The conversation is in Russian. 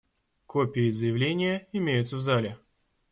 Копии заявления имеются в зале.